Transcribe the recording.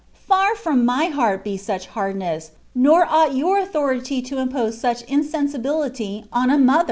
Far from my heart he such hardness, nor ought your . hririiy (o impose such insensibility on a mother."'